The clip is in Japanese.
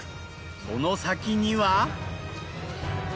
その先には。